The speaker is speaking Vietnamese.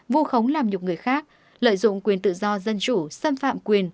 vu khống làm nhục người khác lợi dụng quyền tự do dân chủ xâm phạm quyền